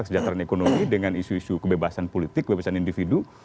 kesejahteraan ekonomi dengan isu isu kebebasan politik kebebasan individu